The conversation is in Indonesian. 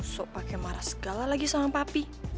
sok pake marah segala lagi sama papa